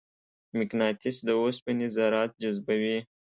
مقناطیس د اوسپنې ذرات جذبوي.